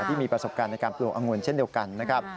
ที่มีประสบการณ์ในการปลูกอังวลเช่นเดียวกันนะครับ